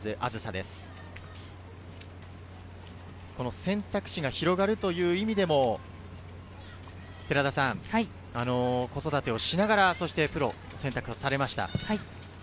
選択肢が広がるという意味でも子育てをしながらプロを選択されました。